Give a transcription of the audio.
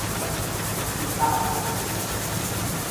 Ritápolis